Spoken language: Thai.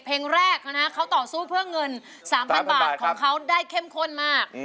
เพลงแรกเขาต่อสู้เพื่อเงิน๓๐๐บาทของเขาได้เข้มข้นมาก